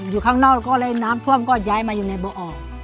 อยู่ข้างนอกก็เลยน้ำท่วมก็ย้ายมาอยู่ในโบออก